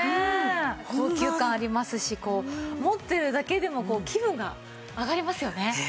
高級感ありますし持ってるだけでも気分が上がりますよね。